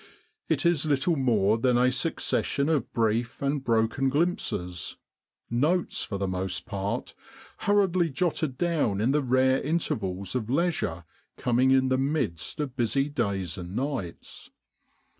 It is little more than a succession of brief and broken glimpses notes, for the most part, hurriedly jotted down in the rare intervals of leisure coming in the midst of busy days and nights.